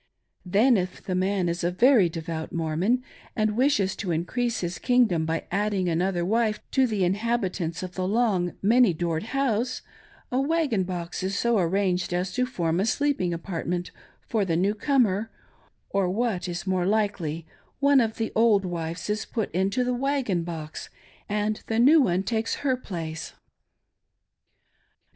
Then, if the man is a very devout Mormon and wishes to increase his kingdom by adding another wife to the inhabitants of the long many doored house, a wagon box is so arranged as to form, a sleeping apartnieiit for tbe new comer; or, what is more likely, one of the old wives is put into the wagon box, and the new one takes her place.